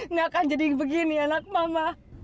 nggak akan jadi begini anak mama